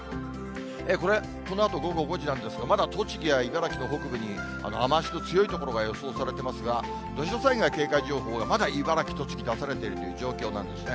これ、このあと午後５時なんですけれども、まだ栃木や茨城の北部に雨足の強い所が予想されてますが、土砂災害警戒情報がまだ茨城、栃木、出されている状況なんですね。